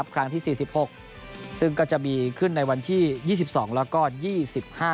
ครั้งที่สี่สิบหกซึ่งก็จะมีขึ้นในวันที่ยี่สิบสองแล้วก็ยี่สิบห้า